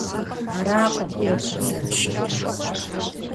Аракъым Ӏуэхур зэрыщытыр.